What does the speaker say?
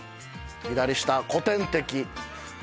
左下「古典的」。